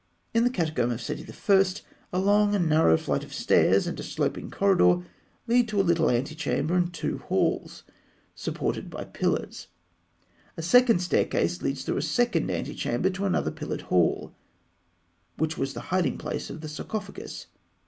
In the catacomb of Seti I. (fig. 158) a long and narrow flight of stairs and a sloping corridor (A) lead to a little antechamber and two halls (B) supported on pillars. A second staircase (C) leads through a second antechamber to another pillared hall (D), which was the hiding place of the sarcophagus.